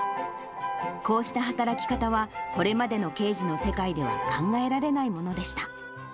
こうした働き方は、これまでの刑事の世界では考えられないものでした。